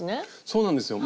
そうなんですよ。